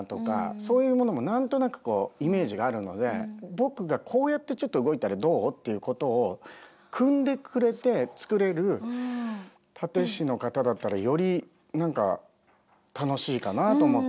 そういうものも何となくこうイメージがあるので僕が「こうやってちょっと動いたらどう？」っていうことをくんでくれて作れる殺陣師の方だったらより何か楽しいかなと思って。